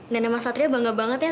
dan mas satria bangga banget ya